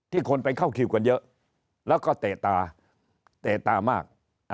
คนไปเข้าคิวกันเยอะแล้วก็เตะตาเตะตามาก